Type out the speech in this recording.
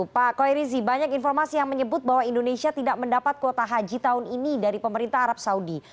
pak koirizi banyak informasi yang menyebut bahwa indonesia tidak mendapat kuota haji tahun ini dari pemerintah arab saudi